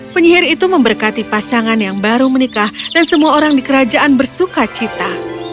penyihir itu memberkati pasangan yang baru menikah dan semua orang di kerajaan bersuka cita